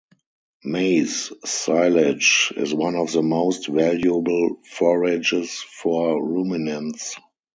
Maize silage is one of the most valuable forages for ruminants.